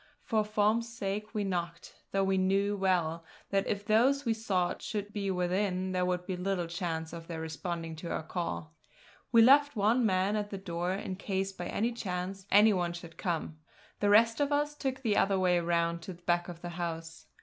For form's sake we knocked, though we knew well that if those we sought should be within there would be little chance of their responding to our call. We left one man at the door, in case by any chance any one should come; the rest of us took the other way round to the back of the house.